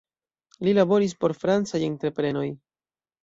Li laboris por francaj entreprenoj.